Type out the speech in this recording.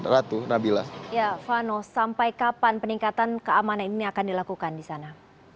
ya fano sampai kapan peningkatan keamanan ini akan dilakukan di sana